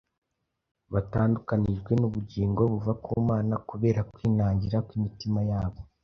batandukanijwe n’ubugingo buva ku Mana kubera kwinangira kw’imitima yabo,”